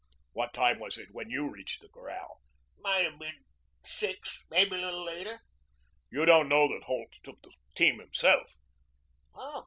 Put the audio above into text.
"What time was it when you reached the corral?" "Might have been six maybe a little later." "You don't know that Holt took the team himself?"